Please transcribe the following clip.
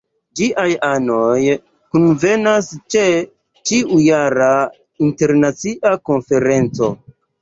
Ĝiaj anoj kunvenas ĉe ĉiujara Internacia Konferenco.